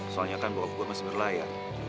soalnya kan bokap gue masih berlayar